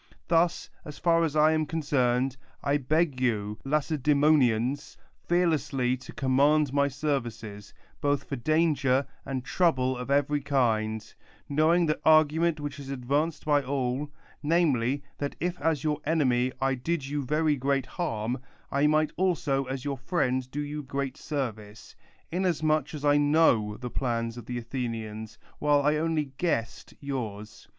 Thus, as far as I am concerned, I beg you, Lacedfemonians, fearlessly to command my services, both for danger and trouble of every kind ; loiowing that argument which is advanced by all, namely, that if as your enemy I did you very great harm, I might also as your friend do you great service; inasmuch cis 1 know the plans of the Athenians, while I only guessed yours.